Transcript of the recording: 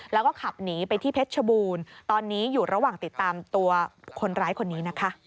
แล้วก็ขับหนีไปที่เพชรชบูรณ์ตอนนี้อยู่ระหว่างติดตามตัวคนร้ายคนนี้นะคะ